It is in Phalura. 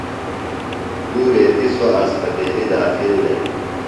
دو ریتیۡ سوۡ اسپتیلیۡ داخل دےۡ۔